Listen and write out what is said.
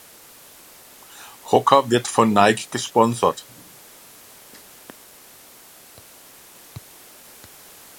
Hocker wird von Nike gesponsert.